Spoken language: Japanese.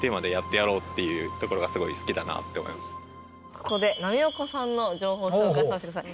ここで波岡さんの情報を紹介させてください。